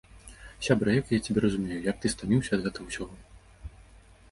Сябра, як я цябе разумею, як ты стаміўся ад гэтага ўсяго!